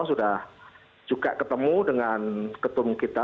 sudah juga ketemu dengan ketum kita